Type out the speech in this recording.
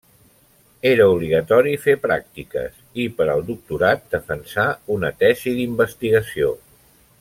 Era obligatori fer pràctiques i per al doctorat defensar una tesi d'investigació.